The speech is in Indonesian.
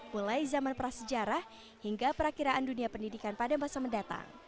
mulai zaman prasejarah hingga perakiraan dunia pendidikan pada masa mendatang